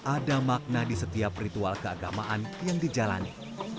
ada makna di setiap ritual keagamaan yang dijalani